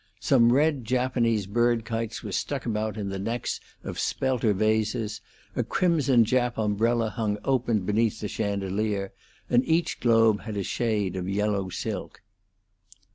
Some red Japanese bird kites were stuck about in the necks of spelter vases, a crimson Jap umbrella hung opened beneath the chandelier, and each globe had a shade of yellow silk.